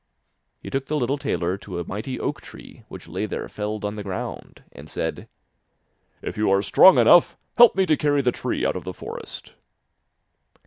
He took the little tailor to a mighty oak tree which lay there felled on the ground, and said: 'If you are strong enough, help me to carry the tree out of the forest.